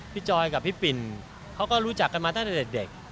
จอยกับพี่ปิ่นเขาก็รู้จักกันมาตั้งแต่เด็ก